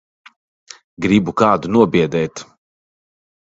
Gribu kādu nobiedēt.